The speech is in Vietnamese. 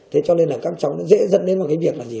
thế cho nên là các cháu nó dễ dẫn đến một cái việc là gì